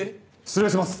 失礼します！